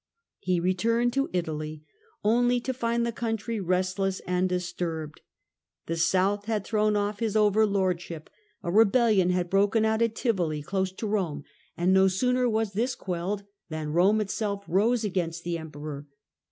He returned to Italy, only to find the country restless and disturbed. The South had thrown off his overlord ship, a rebellion had broken out at Tivoli, close to Eome, and no sooner was this quelled than Rome itself rose against the Emperor.